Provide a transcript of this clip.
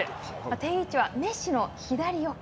定位置はメッシの左横。